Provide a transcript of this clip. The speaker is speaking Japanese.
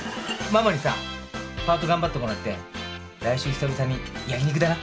ママにさパート頑張ってもらって来週久々に焼き肉だな。